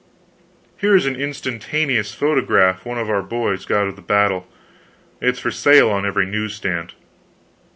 Here is an instantaneous photograph one of our boys got of the battle; it's for sale on every news stand.